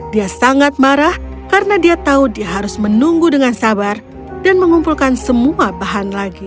dia sangat marah karena dia tahu dia harus menunggu dengan sabar dan mengumpulkan semua bahan lagi